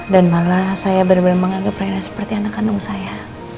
dan malah saya benar benar mengagap renna seperti anak kandung saya